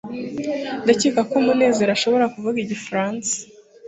ndakeka ko munezero ashobora kuvuga igifaransa